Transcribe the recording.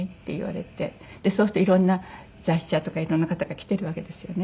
そうするといろんな雑誌社とかいろんな方が来てるわけですよね。